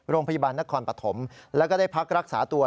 โรงพยาบาลนักความประถมแล้วก็ได้พักรักษาตัว